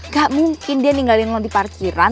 gak mungkin dia ninggalin di parkiran